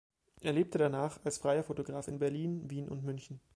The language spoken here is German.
Er lebte danach als freier Fotograf in Berlin, Wien und München.